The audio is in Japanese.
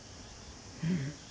うん。